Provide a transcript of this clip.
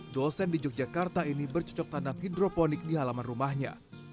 dosen di yogyakarta ini bercocok tanam hidroponik di halaman rumahnya